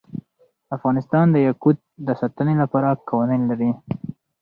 افغانستان د یاقوت د ساتنې لپاره قوانین لري.